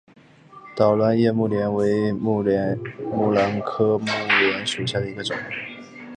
倒卵叶木莲为木兰科木莲属下的一个种。